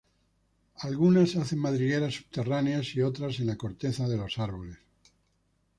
Algunas hacen madrigueras subterráneas, y otras en la corteza de los árboles.